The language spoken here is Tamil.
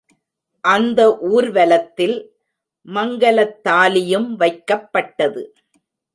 அந்த ஊர்வலத்தில் மங்கலத்தாலியும் வைக்கப்பட்டது.